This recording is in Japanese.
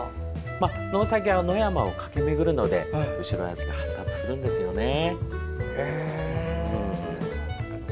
ノウサギは、野山を駆け巡るので後ろ足が発達するんですよね。